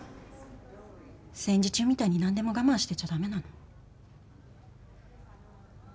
戦時中みたいに何でも我慢してちゃ駄目なの。